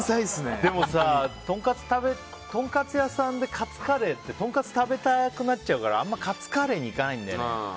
でもとんかつ屋さんでカツカレーってとんかつ食べたくなっちゃうからあんまりカツカレーにいかないんだよね。